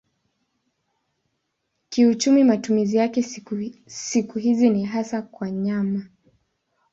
Kiuchumi matumizi yake siku hizi ni hasa kwa nyama.